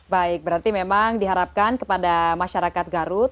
baik berarti memang diharapkan kepada masyarakat garut